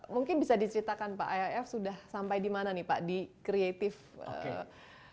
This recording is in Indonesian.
mungkin bisa diceritakan pak iif sudah sampai di mana nih pak di kreatif financing ini